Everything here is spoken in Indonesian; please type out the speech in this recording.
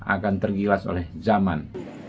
akan tergilas oleh zaman